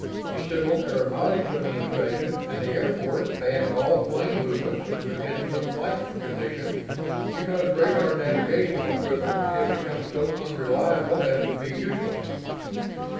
The Civil Aeronautics Administration and the Air Force banned all plane movements under instrument flight conditions, because radar navigational equipment had become so unreliable as to be useless.